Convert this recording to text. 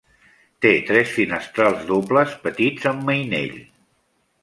Té tres finestrals dobles, petits, amb mainell.